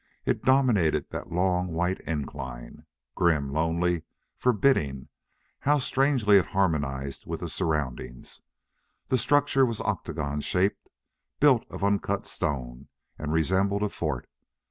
It dominated that long white incline. Grim, lonely, forbidding, how strangely it harmonized with the surroundings! The structure was octagon shaped, built of uncut stone, and resembled a fort.